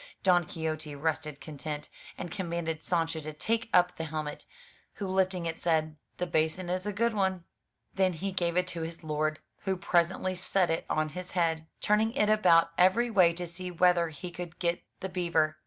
Don Quixote rested content, and commanded Sancho to take up the helmet; who lifting it, said: "The basin is a good one." Then he gave it to his lord, who presently set it on his head, turning it about every way to see whether he could get the beaver.